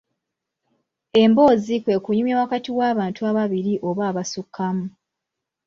Emboozi kwe kunyumya wakati w'abantu ababiri oba abasukkamu.